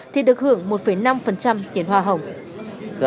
thì được hưởng một năm tiền hoa hồng